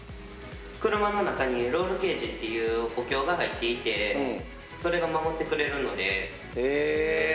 車の中にロールケージっていう補強が入っていてそれがへえ！